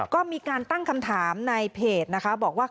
ก็มีการตั้งคำถามในเพจนะคะบอกว่า